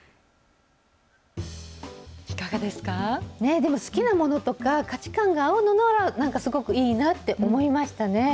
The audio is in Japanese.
でも好きなものとか、価値観が合うのが、なんかすごくいいなって思いましたね。